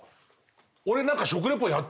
俺何か。